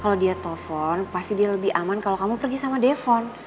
kalau dia telpon pasti dia lebih aman kalau kamu pergi sama defon